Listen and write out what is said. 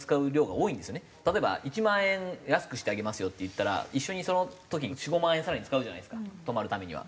例えば１万円安くしてあげますよっていったら一緒にその時に４５万円更に使うじゃないですか泊まるためには。